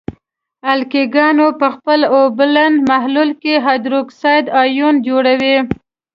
القلې ګاني په خپل اوبلن محلول کې هایدروکساید آیون جوړوي.